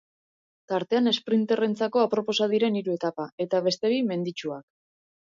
Tartean esprinterrentzako aproposak diren hiru etapa, eta beste bi, menditsuak.